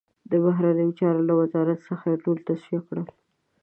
د بهرنیو چارو له وزارت څخه یې ټول تصفیه کړل.